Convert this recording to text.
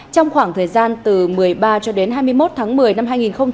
trong khoảng thời gian từ một mươi ba cho đến hai mươi một tháng một mươi năm hai nghìn một mươi chín